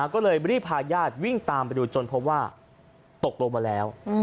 ก็เลยบริพายาทวิ่งตามไปดูจนเพราะว่าตกโรคมาแล้ว